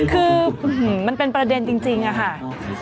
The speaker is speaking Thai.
คือมันเป็นประเด็นจริงอะค่ะ